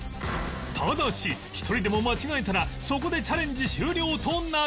ただし一人でも間違えたらそこでチャレンジ終了となる